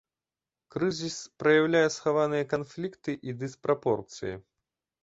Крызіс праяўляе схаваныя канфлікты і дыспрапорцыі.